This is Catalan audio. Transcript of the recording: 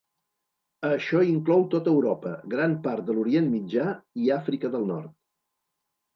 Això inclou tot Europa, gran part de l'Orient Mitjà i Àfrica del nord.